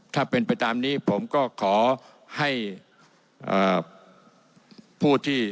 ถ้าเป็นไปตามนี้ผมก็ขอให้ผู้ที่